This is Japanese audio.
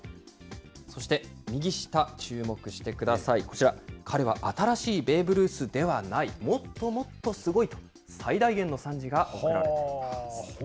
そして右下、注目してください、こちら、彼は新しいベーブ・ルースではない、もっともっとすごい！と、最大限の賛辞が贈られています。